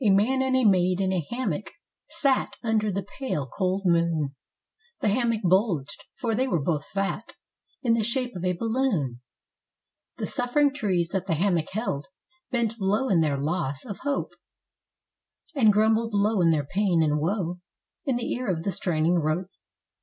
MAN and a maid in a hammock sat Under the pale, cold moon; The hammock bulged (for they both were fat) In the shape of a ba balloon; The suffering trees that the hammock " held^^>> Bent low in their 1< of hope. And grumbled low in their pain and In the ear of the straining rope.